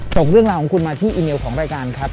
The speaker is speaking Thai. ส่งเรื่องราวของคุณมาที่อีเมลของรายการครับ